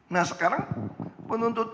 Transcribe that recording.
nah sekarang penuntut